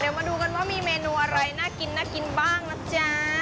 เดี๋ยวมาดูกันว่ามีเมนูอะไรน่ากินน่ากินบ้างนะจ๊ะ